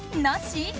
なし？